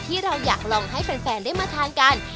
ที่เราอยากลองให้แฟนได้มาทานกัน